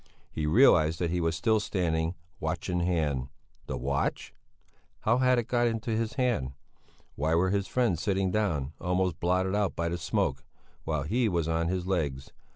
He realized that he was still standing, watch in hand. The watch? How had it got into his hand? Why were his friends sitting down, almost blotted out by the smoke, while he was on his legs?